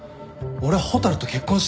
俺は蛍と結婚してるし。